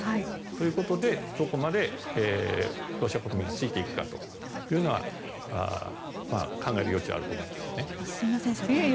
ということでどこまでロシア国民がついていくかというのは考える余地があると思いますよね。